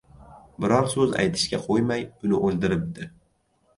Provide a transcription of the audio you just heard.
Biror soʻz aytishga qoʻymay, uni oʻldiribdi.